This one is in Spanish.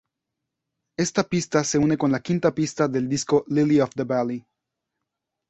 Esta pista se une con la quinta pista del disco Lily of the Valley.